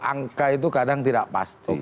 angka itu kadang tidak pasti